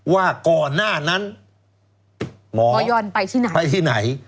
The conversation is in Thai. ว่าก่อนหน้านั้นหมอหมอยอนไปที่ไหนไปที่ไหน